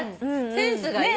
センスがいい。